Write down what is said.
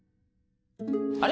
あれ？